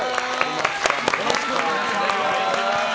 よろしくお願いします。